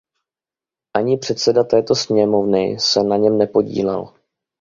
Ani předseda této sněmovny se na něm nepodílel.